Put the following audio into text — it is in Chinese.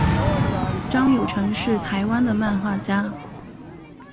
张友诚是台湾的漫画家。